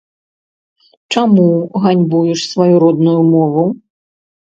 Чаму ганьбуеш сваю родную мову?